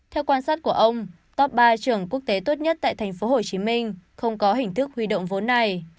theo quan sát của ông top ba trường quốc tế tốt nhất tại tp hcm không có hình thức huy động vốn này